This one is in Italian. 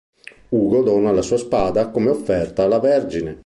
Ugo dona la sua spada come offerta alla Vergine.